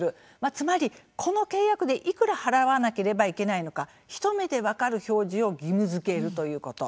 つまり、この契約でいくら払わなければいけないか一目で分かる表示を義務づけるということ。